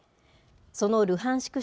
そのルハンシク